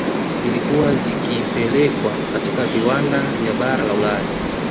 Zilikuwa zikipelekwa katika viwanda vya bara la Ulaya